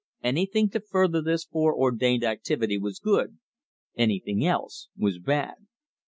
Anything to further this fore ordained activity was good; anything else was bad.